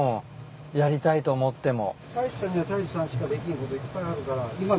やりたいと思っても。